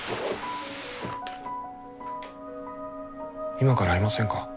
今から会いませんか？